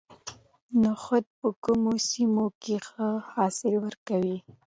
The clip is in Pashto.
نخود په کومو سیمو کې ښه حاصل ورکوي؟